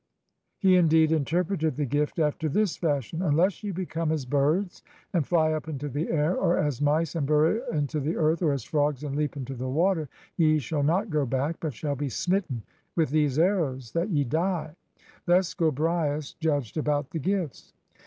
He indeed interpreted the gift after this fashion: Unless ye become as birds and fly up into the air, or as mice and burrow in the earth, or as frogs and leap into the water, ye shall not go back, but shall be smitten with these arrows that ye die. Thus Gobryas judged about the gifts.